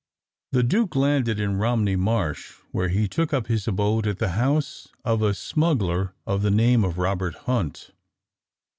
The Duke landed in Romney Marsh, where he took up his abode at the house of a smuggler of the name of Robert Hunt.